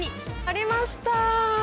ありました